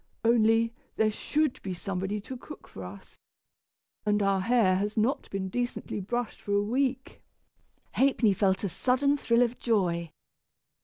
Only, there should be somebody to cook for us, and our hair has not been decently brushed for a week." Ha'penny felt a sudden thrill of joy.